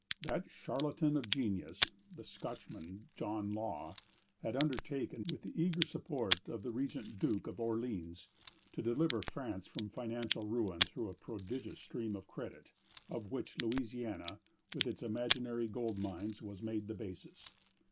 That charlatan of genius, the Scotchman John Law, had undertaken, with the eager support of the Regent Duke of Orleans, to deliver France from financial ruin through a prodigious system of credit, of which Louisiana, with its imaginary gold mines, was made the basis.